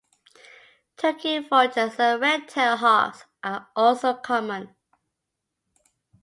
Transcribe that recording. Turkey Vultures and Red Tail Hawks are also common.